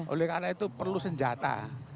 oleh karena itu perlu senjata